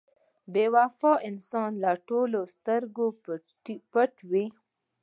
• بې وفا انسان له ټولو سترګې پټوي.